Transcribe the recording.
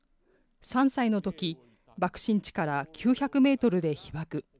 ３歳のとき、爆心地から９００メートルで被爆。